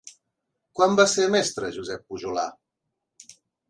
Quan va ser mestre Josep Pujolar?